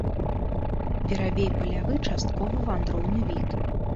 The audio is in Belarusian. Верабей палявы часткова вандроўны від.